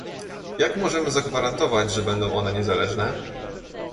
Jak możemy zagwarantować, że będą one niezależne?